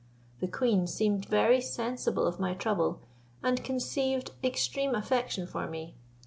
The queen seemed very sensible of my trouble, and conceived extreme affection for me.